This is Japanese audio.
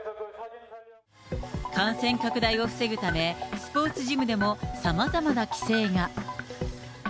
感染拡大を防ぐため、スポーツジムでもさまざまな規制が。